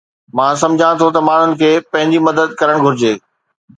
مان سمجهان ٿو ته ماڻهن کي پنهنجي مدد ڪرڻ گهرجي